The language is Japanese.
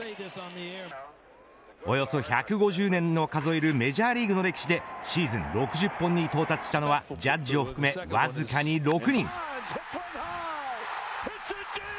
およそ１５０年の数えるメジャーリーグの歴史でシーズン６０本に到着したのはジャッジを含め、わずかに６人。